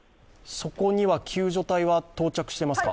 そこには救助隊は到着していますか？